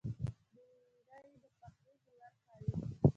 بېنډۍ د پخلي هنر ښيي